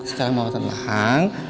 sekarang mama tenang